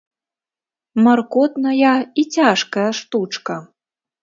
Маркотная і цяжкая штучка.